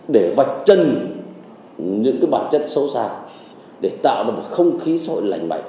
để vạch chân những bản chất xấu xa để tạo ra một không khí xã hội lành mạnh